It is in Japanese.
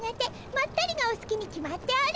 まったりがおすきに決まっておる！